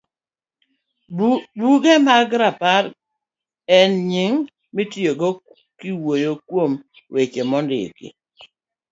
Buge mag Rapar en nying mitiyogo kiwuoyo kuom weche mondiki